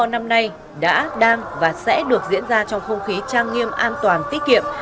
năm nay đã đang và sẽ được diễn ra trong không khí trang nghiêm an toàn tiết kiệm